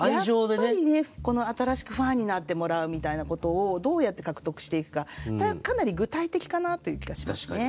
やっぱりね新しくファンになってもらうみたいなことをどうやって獲得していくかかなり具体的かなという気がしますね。